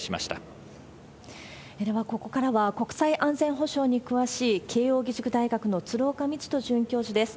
では、ここからは国際安全保障に詳しい、慶應義塾大学の鶴岡路人准教授です。